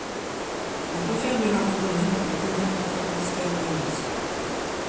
On peut faire de la randonnée dans les collines autour d’Easterhouse.